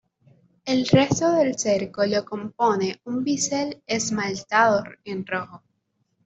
El resto del cerco lo compone un bisel esmaltado en rojo.